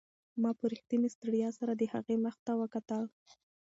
ما په رښتینې ستړیا سره د هغې مخ ته وکتل.